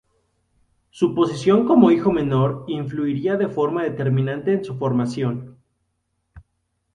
Su posición como hijo menor influiría de forma determinante en su formación.